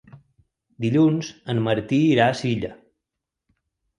Dilluns en Martí irà a Silla.